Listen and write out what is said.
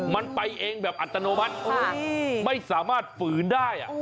มันไปเองแบบอัตโนมัติไม่สามารถฝืนได้